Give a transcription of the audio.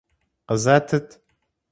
Къызэтыт!